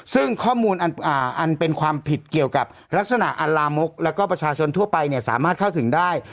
ซึ่งข้อมูลอันเป็นความผิดเกี่ยวกับลักษณะอัลลามกแล้วก็ประชาชนทั่วไปเนี่ยสามารถเข้าถึงได้